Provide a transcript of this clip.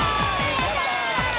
やったー！